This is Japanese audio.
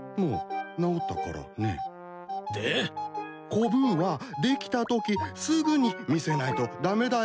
コブはできたときすぐに見せないと駄目だよね。